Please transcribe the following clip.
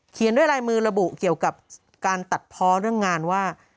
ด้วยลายมือระบุเกี่ยวกับการตัดเพาะเรื่องงานว่า